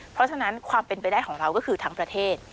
เพราะฉะนั้นความเป็นไปได้ของเราก็คือทั้งประเทศ